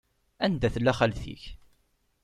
Anda tella xalti-k?